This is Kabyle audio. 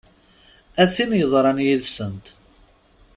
A tin yeḍran yid-sent!